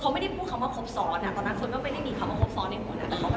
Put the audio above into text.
เขาไม่ได้พูดคำว่าครอบศรตอนนั้นคุณไม่ได้มีคำว่าครอบศรในหัวหน้า